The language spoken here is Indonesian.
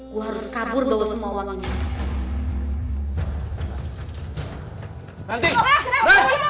gua harus kabur bawa sebagian